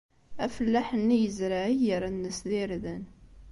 Afellaḥ-nni yezreɛ iger-nnes d irden.